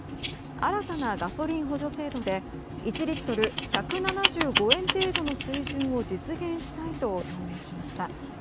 新たなガソリン補助制度で１リットル１７５円程度の水準を実現したいと表明しました。